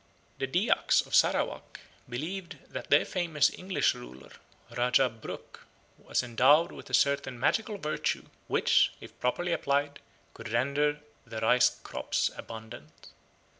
The Dyaks of Sarawak believed that their famous English ruler, Rajah Brooke, was endowed with a certain magical virtue which, if properly applied, could render the rice crops abundant.